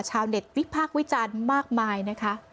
ชาวเน็ตวิพากษ์วิจารณ์มากมายนะคะ